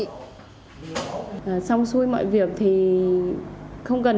trong suối mọi việc thì không cần